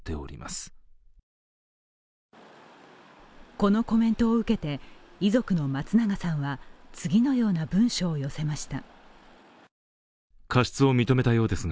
このコメントを受けて、遺族の松永さんは次のような文書を寄せました。